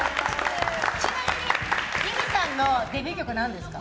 ちなみに由美さんのデビュー曲なんですか。